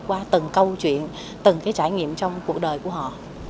qua từng câu chuyện từng cái trải nghiệm trong cuộc đời của họ